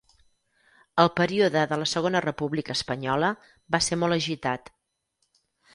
El període de la Segona República Espanyola va ser molt agitat.